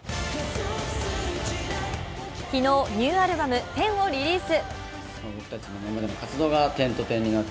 昨日ニューアルバム「Ⅹ」をリリース。